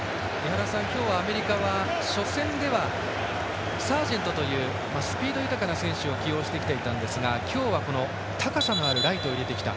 今日はアメリカは初戦ではサージェントというスピード豊かな選手を起用してきていたんですが今日は高さのあるライトを入れてきた。